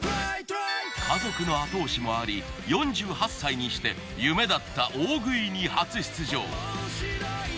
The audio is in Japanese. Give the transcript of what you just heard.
家族の後押しもあり４８歳にして夢だった大食いに初出場。